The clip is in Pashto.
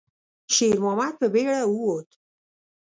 شېرمحمد په بیړه ووت.